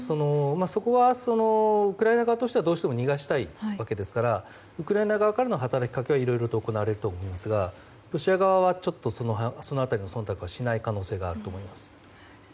そこは、ウクライナ側としてはどうしても逃がしたいわけですからウクライナ側からの働きかけはいろいろ行われると思うんですがロシア側は、ちょっとその辺りの忖度はしない可能性があると思います。